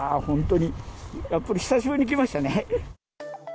本当に、やっぱり久しぶりに来ましたね。